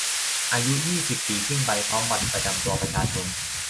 อายุ ยี่สิบ ปีขึ้นไป พร้อมบัตรประจำตัวประชาชน